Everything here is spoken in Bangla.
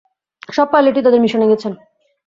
সব পাইলটই তাদের মিশনে গেছেন।